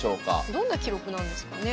どんな記録なんですかね。